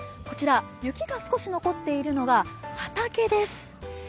こちら、雪が少し残っているのが畑です。